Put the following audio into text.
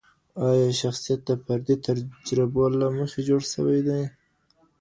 آیا شخصیت د فردي تجربو له مخې جوړ سوی دی؟